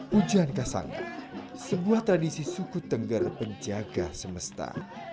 pujian kesangai sebuah tradisi suku tengger penjaga semesta